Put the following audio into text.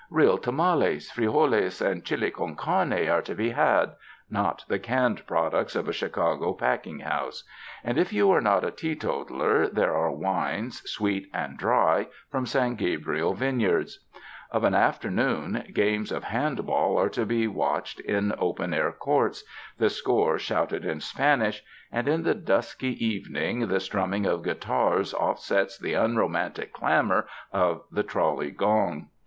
Real tamales, frijoles and chili con came are to be had — not the canned products of a Chicago packing house; and, if you are not a teetotaler, there are wines, sweet and dry, from San Gabriel vineyards. Of an after noon, games of hand ball are to be watched in open air courts, the score shouted in Spanish; and in the dusky evening the strumming of guitars offsets the unromantic clamor of the trolley gong.